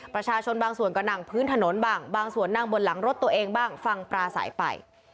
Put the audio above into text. ประชาชนบางส่วนก็นั่งพื้นถนนบ้างบางส่วนนั่งบนหลังรถตัวเองบ้างฟังปลาสายไป